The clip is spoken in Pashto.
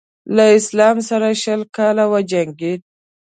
له اسلام سره شل کاله وجنګېد.